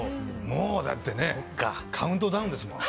もう、だってカウントダウンですもん。